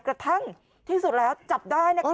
กระทั่งที่สุดแล้วจับได้นะคะ